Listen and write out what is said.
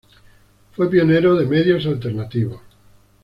Fue pionero de medios alternativos.